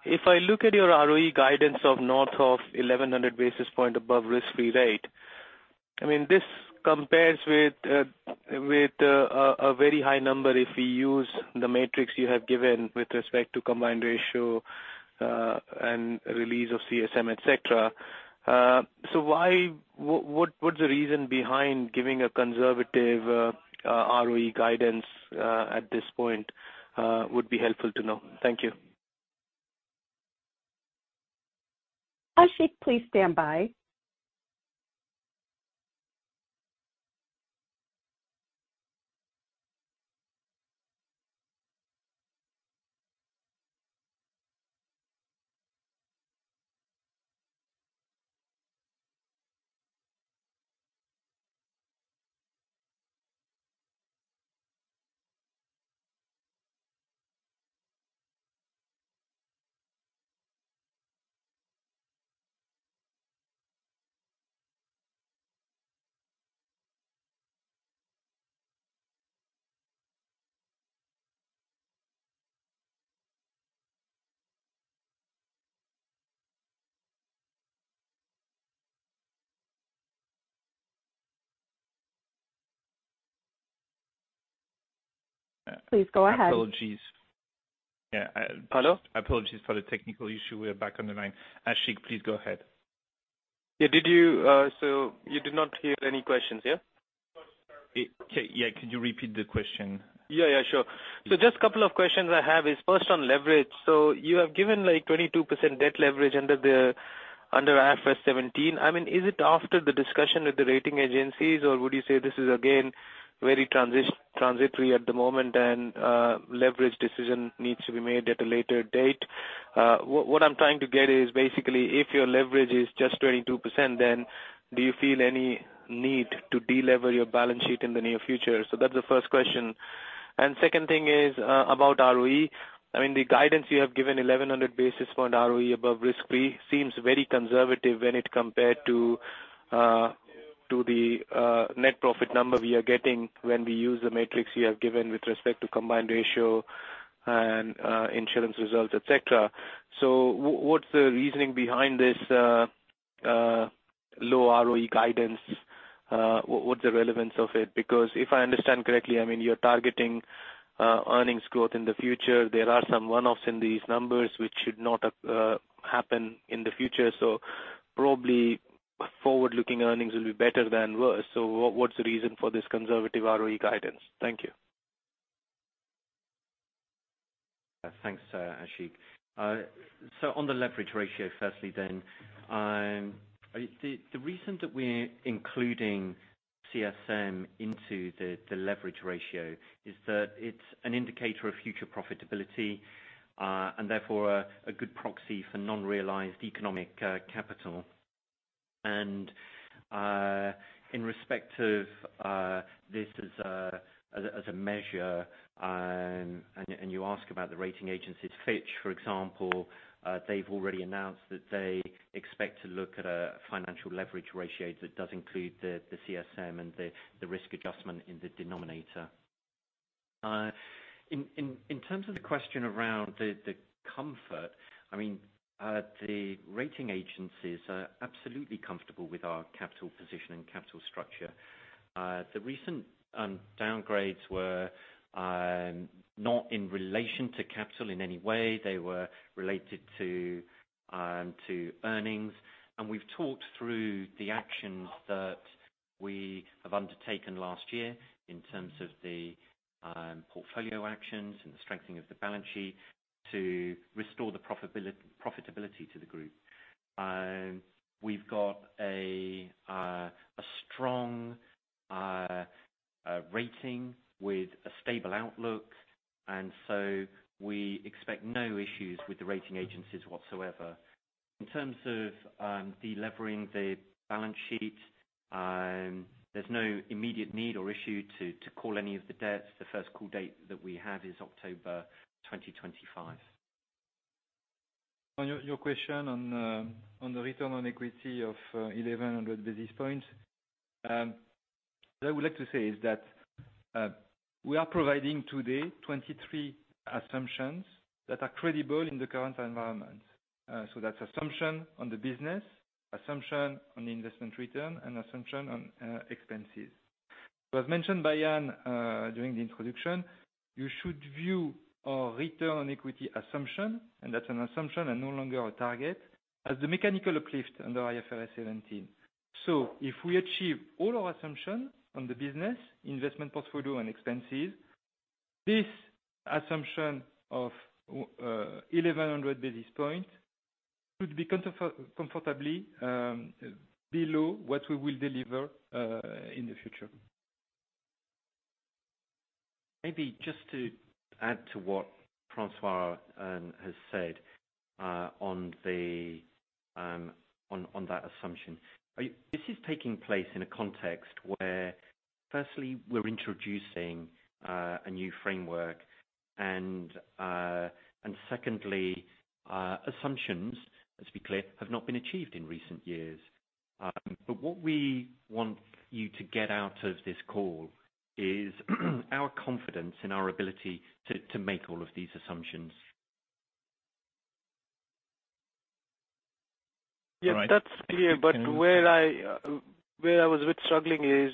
if I look at your ROE guidance of north of 1,100 basis point above risk-free rate, I mean, this compares with a very high number if we use the metrics you have given with respect to combined ratio, and release of CSM, et cetera. Why... What's the reason behind giving a conservative ROE guidance at this point would be helpful to know? Thank you. Ashik, please stand by. Please go ahead. Apologies. Yeah. Pardon? Apologies for the technical issue. We are back on the line. Ashik, please go ahead. Yeah. Did you, so you did not hear any questions, yeah? Okay. Yeah. Could you repeat the question? Yeah, sure. Just couple of questions I have is first on leverage. You have given, like, 22% debt leverage under IFRS 17. I mean, is it after the discussion with the rating agencies, or would you say this is again very transitory at the moment and leverage decision needs to be made at a later date? What I'm trying to get is basically if your leverage is just 22%, then do you feel any need to de-lever your balance sheet in the near future? That's the first question. Second thing is about ROE. I mean, the guidance you have given 1,100 basis point ROE above risk-free seems very conservative when it compared to the net profit number we are getting when we use the metrics you have given with respect to combined ratio and insurance results, et cetera. What's the reasoning behind this low ROE guidance? What's the relevance of it? Because if I understand correctly, I mean, you're targeting earnings growth in the future. There are some one-offs in these numbers which should not happen in the future. Probably forward-looking earnings will be better than worse. What's the reason for this conservative ROE guidance? Thank you. Thanks, Ashik. On the leverage ratio, firstly, the reason that we're including CSM into the leverage ratio is that it's an indicator of future profitability, and therefore a good proxy for non-realized economic capital. In respect to this as a measure, you ask about the rating agencies. Fitch, for example, they've already announced that they expect to look at a financial leverage ratio that does include the CSM and the risk adjustment in the denominator. In terms of the question around the comfort, I mean, the rating agencies are absolutely comfortable with our capital position and capital structure. The recent downgrades were not in relation to capital in any way. They were related to earnings. We've talked through the actions that we have undertaken last year in terms of the portfolio actions and the strengthening of the balance sheet to restore the profitability to the group. We've got a strong rating with a stable outlook, we expect no issues with the rating agencies whatsoever. In terms of delevering the balance sheet, there's no immediate need or issue to call any of the debts. The first call date that we have is October 2025. On your question on the return on equity of 1,100 bps, what I would like to say is that we are providing today 23 assumptions that are credible in the current environment. That's assumption on the business, assumption on the investment return, and assumption on expenses. It was mentioned by Yann during the introduction, you should view our return on equity assumption, and that's an assumption and no longer a target, as the mechanical uplift under IFRS 17. If we achieve all our assumptions on the business, investment portfolio and expenses, this assumption of 1,100 bps could be comfortably below what we will deliver in the future. Maybe just to add to what François has said, on the, on that assumption. This is taking place in a context where firstly we're introducing a new framework, and secondly, assumptions, let's be clear, have not been achieved in recent years. What we want you to get out of this call is our confidence in our ability to make all of these assumptions. Yes, that's clear. Where I, where I was with struggling is,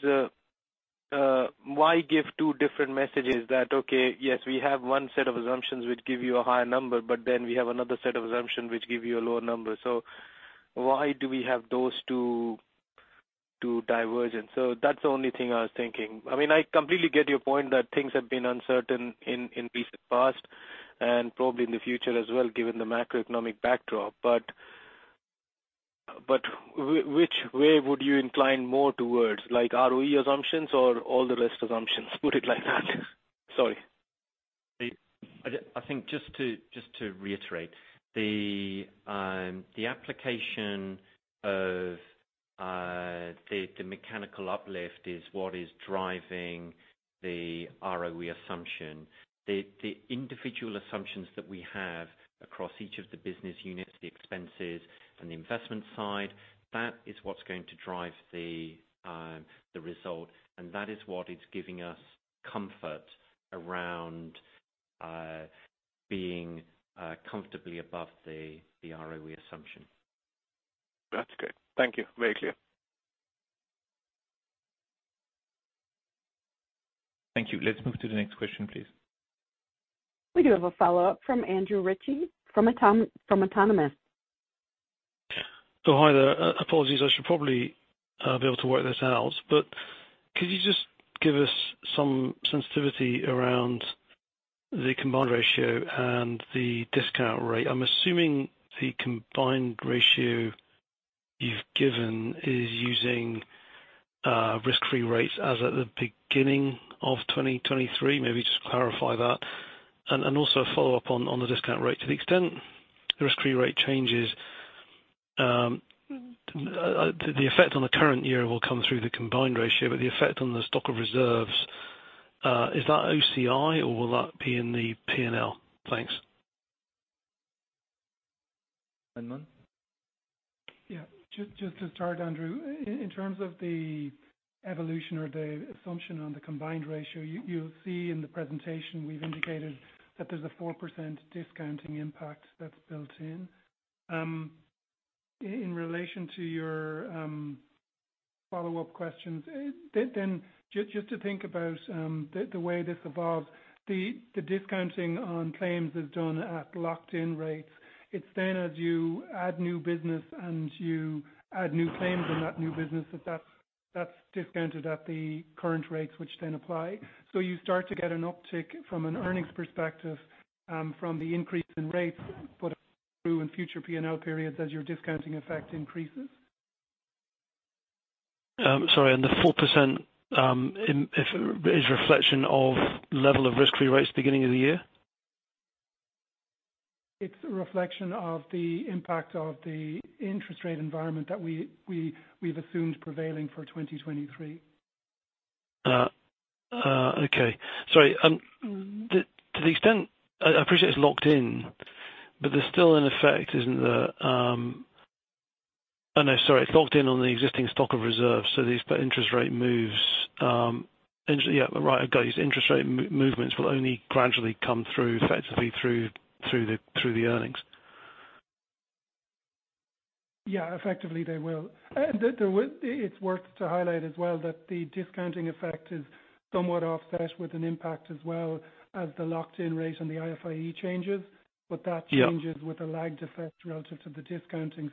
why give two different messages that, okay, yes, we have one set of assumptions which give you a higher number, but then we have another set of assumptions which give you a lower number. Why do we have those two divergent? That's the only thing I was thinking. I mean, I completely get your point that things have been uncertain in recent past, and probably in the future as well, given the macroeconomic backdrop. Which way would you incline more towards, like ROE assumptions or all the rest assumptions? Put it like that. Sorry. I think just to reiterate, the application of the mechanical uplift is what is driving the ROE assumption. The individual assumptions that we have across each of the business units, the expenses on the investment side, that is what's going to drive the result, and that is what is giving us comfort around being comfortably above the ROE assumption. That's great. Thank you. Very clear. Thank you. Let's move to the next question, please. We do have a follow-up from Andrew Ritchie from Autonomous. Hi there. Apologies, I should probably be able to work this out, but could you just give us some sensitivity around the combined ratio and the discount rate? I'm assuming the combined ratio you've given is using risk-free rates as at the beginning of 2023. Maybe just clarify that. And also follow up on the discount rate. To the extent the risk-free rate changes, the effect on the current year will come through the combined ratio, but the effect on the stock of reserves, is that OCI, or will that be in the P&L? Thanks. Redmond? Yeah. Just to start, Andrew, in terms of the evolution or the assumption on the combined ratio, you'll see in the presentation we've indicated that there's a 4% discounting impact that's built in. In relation to your follow-up questions, just to think about the way this evolves, the discounting on claims is done at locked in rates. It's then as you add new business and you add new claims in that new business that's discounted at the current rates, which then apply. You start to get an uptick from an earnings perspective, from the increase in rates, butThrough in future P&L periods as your discounting effect increases. Sorry, the 4%, if it is reflection of level of risk free rates beginning of the year. It's a reflection of the impact of the interest rate environment that we've assumed prevailing for 2023. Okay. Sorry, to the extent I appreciate it's locked in, but there's still an effect, isn't there? I know, sorry, it's locked in on the existing stock of reserves. These interest rate moves, interest, yeah, right, I got these interest rate movements will only gradually come through, effectively through the, through the earnings. Yeah. Effectively, they will. There will. It's worth to highlight as well that the discounting effect is somewhat offset with an impact as well as the locked in rate and the IFIE changes. Yeah. That changes with a lag effect relative to the discounting.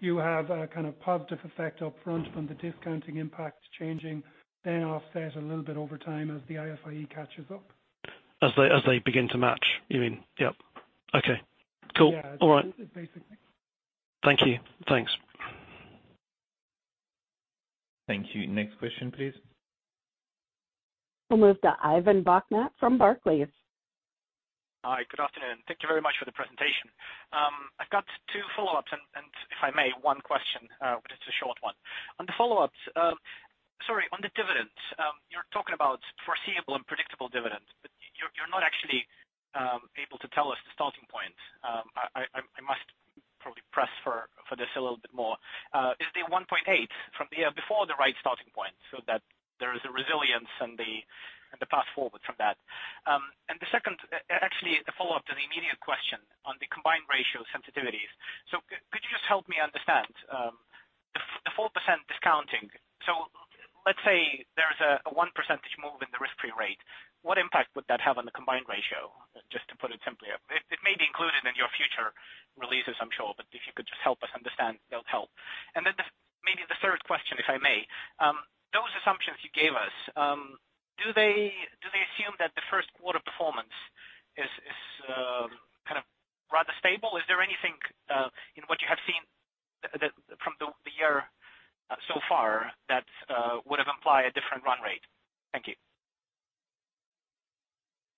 You have a kind of positive effect upfront from the discounting impact changing, then offset a little bit over time as the IFIE catches up. As they begin to match, you mean? Yep. Okay. Cool. Yeah. All right. Basically. Thank you. Thanks. Thank you. Next question, please. We'll move to Ivan Bokhmat from Barclays. Hi. Good afternoon. Thank you very much for the presentation. I've got two follow-ups and, if I may, one question, but it's a short one. On the follow-ups, sorry, on the dividends, you're talking about foreseeable and predictable dividends, but you're not actually able to tell us the starting point. I must probably press for this a little bit more. Is the 1.8 from the year before the right starting point so that there is a resilience in the path forward from that? The second, actually a follow-up to the immediate question on the combined ratio sensitivities. Could you just help me understand the 4% discounting. Let's say there's a 1% move in the risk-free rate. What impact would that have on the combined ratio? Just to put it simply. It may be included in your future releases, I'm sure, but if you could just help us understand, that would help. Maybe the third question, if I may. Those assumptions you gave us, do they assume that the first quarter performance is kind of rather stable? Is there anything in what you have seen that from the year so far that would have implied a different run rate? Thank you.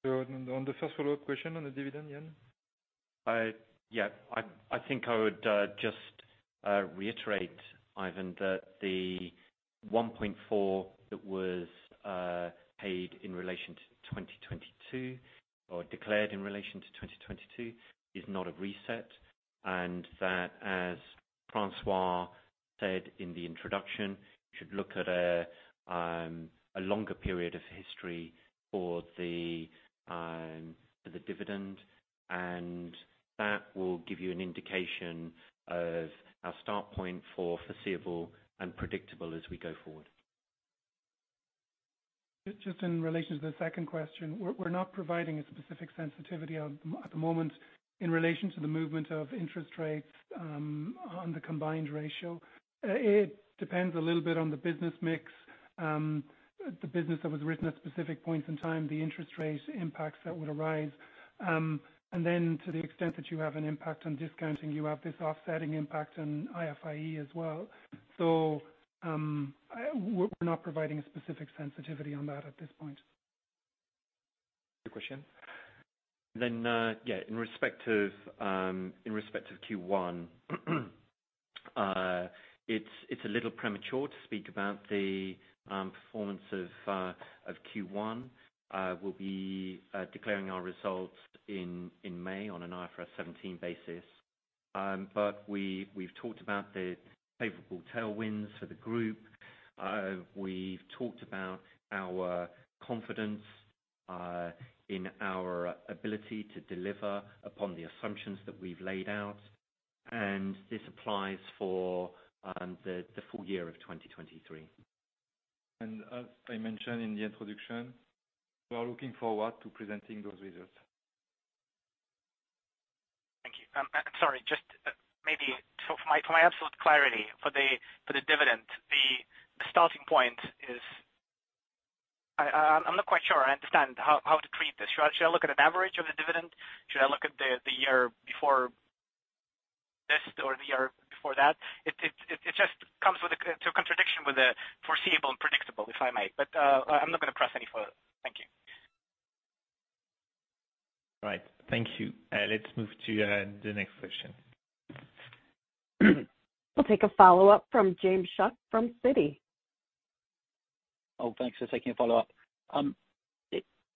On the first follow-up question on the dividend, Ian. Yeah. I think I would just reiterate, Ivan, that the 1.4 that was paid in relation to 2022 or declared in relation to 2022 is not a reset. That, as François said in the introduction, should look at a longer period of history for the dividend, and that will give you an indication of our start point for foreseeable and predictable as we go forward. Just in relation to the second question, we're not providing a specific sensitivity at the moment in relation to the movement of interest rates, on the combined ratio. It depends a little bit on the business mix, the business that was written at specific points in time, the interest rate impacts that would arise. To the extent that you have an impact on discounting, you have this offsetting impact on IFIE as well. We're not providing a specific sensitivity on that at this point. Good question. Yeah, in respect of Q1, it's a little premature to speak about the performance of Q1. We'll be declaring our results in May on an IFRS 17 basis. We've talked about the favorable tailwinds for the group. We've talked about our confidence in our ability to deliver upon the assumptions that we've laid out, and this applies for the full year of 2023. As I mentioned in the introduction, we are looking forward to presenting those results. Thank you. Sorry, just maybe for my absolute clarity for the dividend, the starting point is I'm not quite sure I understand how to treat this. Should I look at an average of the dividend? Should I look at the year before this or the year before that? It just comes to a contradiction with the foreseeable and predictable, if I may. I'm not gonna press any further. Thank you. All right. Thank you. Let's move to the next question. We'll take a follow-up from James Shuck from Citi. Thanks for taking a follow-up.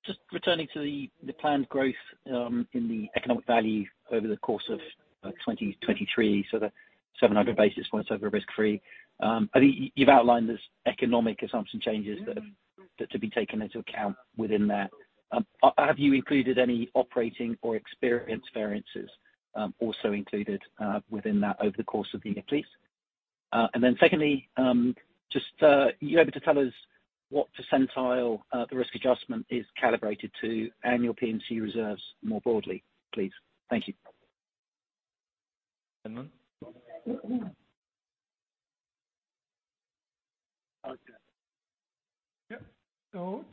Just returning to the planned growth in the Economic Value over the course of 2023, so the 700 bps over risk-free. I think you've outlined this economic assumption changes that have to be taken into account within that. Have you included any operating or experience variances also included within that over the course of the year, please? Secondly, are you able to tell us what percentile the risk adjustment is calibrated to annual P&C reserves more broadly, please? Thank you. Redmond.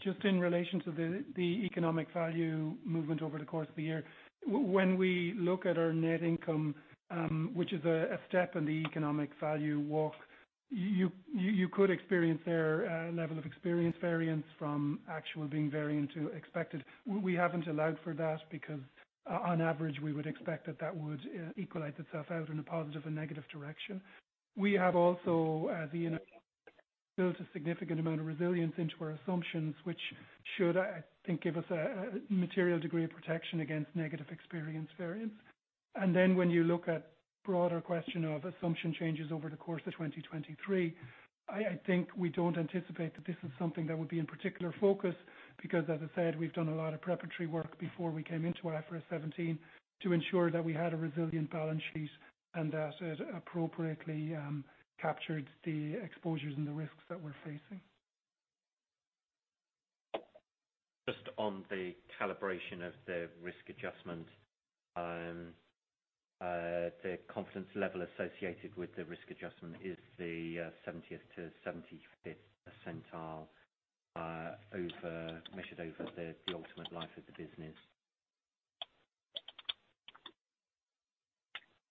Just in relation to the Economic Value movement over the course of the year. When we look at our net income, which is a step in the Economic Value walk, you could experience there a level of experience variance from actual being variant to expected. We haven't allowed for that because on average, we would expect that that would equalize itself out in a positive and negative direction. We have also, as Ian built a significant amount of resilience into our assumptions, which should, I think give us a material degree of protection against negative experience variance. When you look at broader question of assumption changes over the course of 2023, I think we don't anticipate that this is something that would be in particular focus, because as I said, we've done a lot of preparatory work before we came into IFRS 17 to ensure that we had a resilient balance sheet and that it appropriately captured the exposures and the risks that we're facing. Just on the calibration of the risk adjustment. The confidence level associated with the risk adjustment is the 70th to 75th percentile, over, measured over the ultimate life of the business.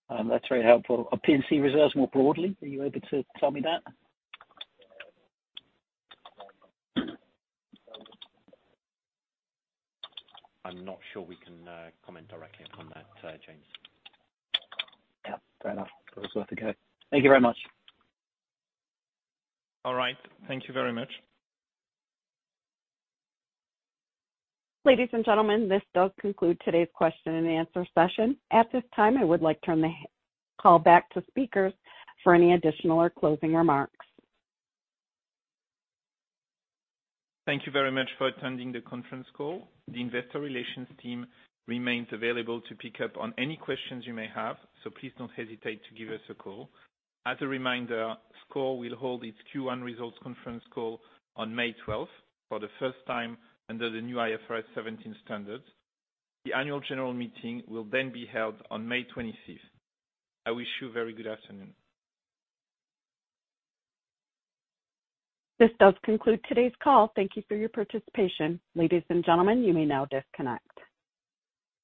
That's very helpful. Are P&C reserves more broadly, are you able to tell me that? I'm not sure we can comment directly on that, James. Yeah. Fair enough. It was worth a go. Thank you very much. All right. Thank you very much. Ladies and gentlemen, this does conclude today's question and answer session. At this time, I would like to turn the call back to speakers for any additional or closing remarks. Thank you very much for attending the conference call. The investor relations team remains available to pick up on any questions you may have, so please don't hesitate to give us a call. As a reminder, SCOR will hold its Q1 results conference call on May twelfth for the first time under the new IFRS 17 standards. The annual general meeting will then be held on May twenty-fifth. I wish you a very good afternoon. This does conclude today's call. Thank you for your participation. Ladies and gentlemen, you may now disconnect.